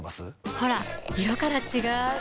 ほら色から違う！